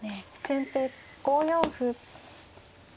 先手５四歩。